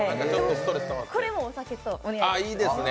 これもお酒と合います。